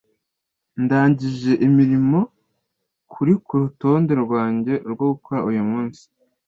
Ndangije imirimo kuri kurutonde rwanjye rwo gukora uyu munsi.